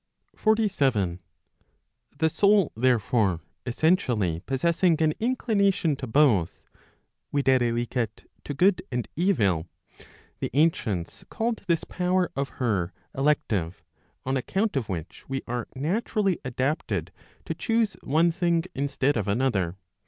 47. The soul, therefore, essentially possessing an inclination to both, viz. to good and evil, the ancients called this power of lier elective, on account of which we are naturally adapted to choose one thing instead of another.